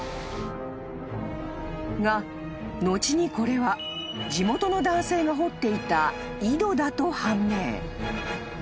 ［が後にこれは地元の男性が掘っていた井戸だと判明］